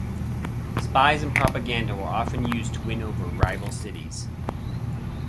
Spies and propaganda were often used to win over rival cities.